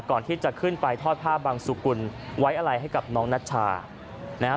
ก่อนที่จะขึ้นไปทอดผ้าบังสุกุลไว้อะไรให้กับน้องนัชชานะฮะ